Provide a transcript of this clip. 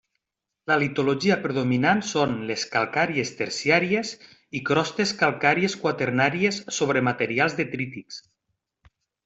La litologia predominant són les calcàries terciàries i crostes calcàries quaternàries sobre materials detrítics.